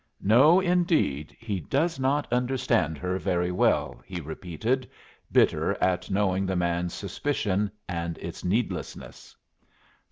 "No, indeed, he does not understand her very well," he repeated, bitter in knowing the man's suspicion and its needlessness.